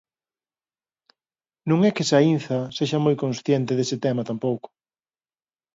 Non é que Saínza sexa moi consciente dese tema tampouco.